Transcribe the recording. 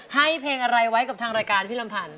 ให้เพลงอะไรไว้กับทางรายการพี่ลำพันธ